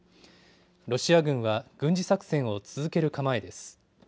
ロシア軍は軍事作戦を続ける構えです。